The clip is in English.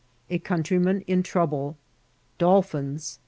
—▲ Coantryman in Troubla.— Dolphins.